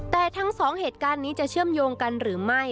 แต่ทั้งสองเหตุการณ์นี้จะเชื่อมโยงกันหรือไม่